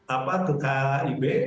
apa ke kib